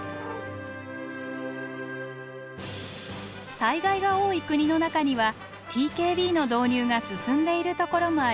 災害が多い国の中にはＴＫＢの導入が進んでいるところもあります。